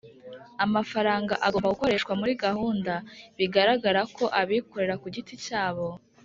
amafaranga agomba gukoreshwa muri gahunda bigaragara ko abikorera ku giti cyabo,